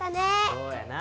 そうやな。